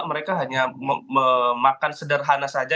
mereka hanya memakan sederhana saja